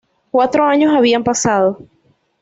Cuatro años habían pasado.